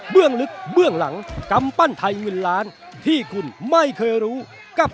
ลึกเบื้องหลังกำปั้นไทยเงินล้านที่คุณไม่เคยรู้กับ